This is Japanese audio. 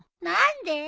何で！？